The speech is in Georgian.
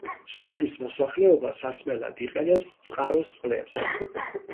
სოფლის მოსახლეობა სასმელად იყენებს წყაროს წყლებს.